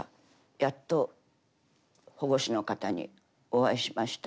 やっと保護司の方にお会いしました。